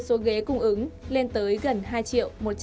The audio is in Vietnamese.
số ghế cung ứng lên tới gần hai một trăm bảy mươi ghế